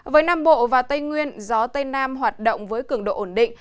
với nam bộ và tây nguyên gió tây nam hoạt động với cực